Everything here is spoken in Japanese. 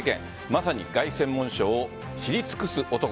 まさに凱旋門賞を知り尽くす男